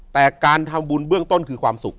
แต่การทำบุญเบื้องต้นคือความสุข